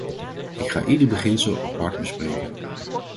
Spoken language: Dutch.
Ik ga ieder beginsel apart bespreken.